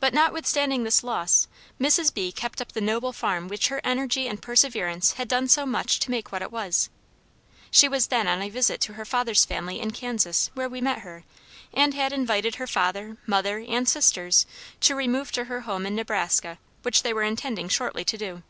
But notwithstanding this loss, Mrs. B kept up the noble farm which her energy and perseverance had done so much to make what it was. She was then on a visit to her father's family in Kansas, where we met her, and had invited her father, mother, and sisters to remove to her home in Nebraska, which they were intending shortly to do.